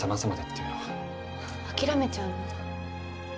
諦めちゃうの？